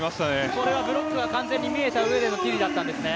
これはブロックが完全に見えたうえのティリだったんですね。